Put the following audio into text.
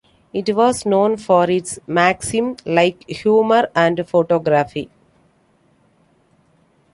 It was known for its "Maxim"-like humor and photography.